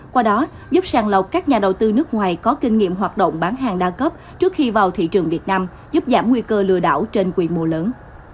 qua đó giúp sàng lọc các nhà đầu tư nước ngoài có kinh nghiệm hoạt động bán hàng đa cấp trước khi vào thị trường việt nam giúp giảm nguy cơ lừa đảo trên quy mô lớn